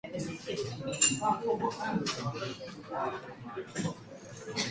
不知道你有没有听过大语言模型？